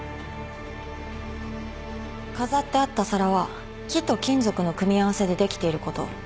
飾ってあった皿は木と金属の組み合わせでできていること。